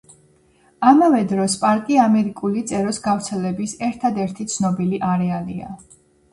ამავე დროს, პარკი ამერიკული წეროს გავრცელების ერთადერთი ცნობილი არეალია.